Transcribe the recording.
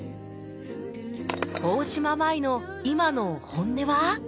大島麻衣の今の本音は？